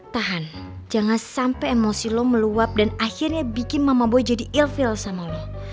tahan jangan sampai emosi lo meluap dan akhirnya bikin mama boy jadi ilvil sama lo